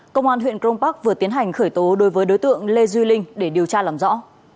công an huyện cron park vừa tiến hành khởi tố đối với đối tượng lê duy linh để điều tra làm rõ